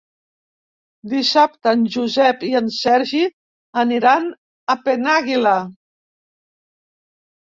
Dissabte en Josep i en Sergi aniran a Penàguila.